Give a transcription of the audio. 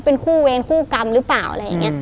เป็นคู่เวรคู่กรรมหรือเปล่าอะไรอย่างนี้